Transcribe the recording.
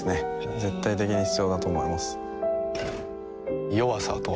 絶対的に必要だと思います弱さとは？